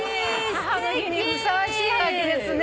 母の日にふさわしいおはがきですね！